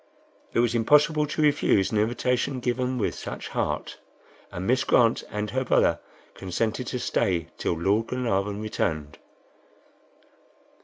It was impossible to refuse an invitation given with such heart, and Miss Grant and her brother consented to stay till Lord Glenarvan returned.